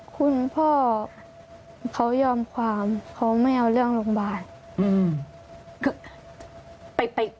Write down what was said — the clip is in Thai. คุณพ่อเขายอมความเขาไม่เอาเรื่องโรงพยาบาล